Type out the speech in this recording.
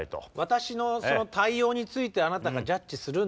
私の対応についてあなたがジャッジするんでしょ？